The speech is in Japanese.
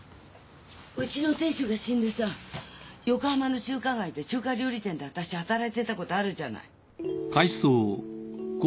うちの亭主が死んでさ横浜の中華街の中華料理店で私働いてたことあるじゃない？